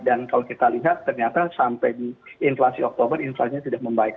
dan kalau kita lihat ternyata sampai inflasi oktober inflasinya tidak membaik